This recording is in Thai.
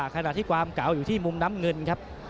ขณะที่ความเก่าอยู่ที่มุมน้ำเงินครับ